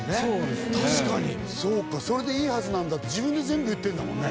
「それでいいはずなんだ」って自分で全部言ってんだもんね